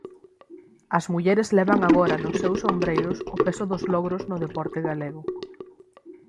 As mulleres levan agora nos seus ombreiros o peso dos logros no deporte galego.